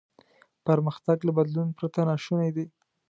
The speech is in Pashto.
پرمختګ له بدلون پرته ناشونی دی.